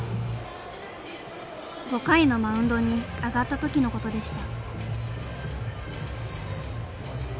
５回のマウンドに上がった時のことでした。